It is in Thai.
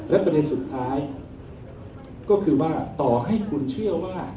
และประเด็นสุดท้ายก็คือว่าต่อให้คุณเชื่อว่า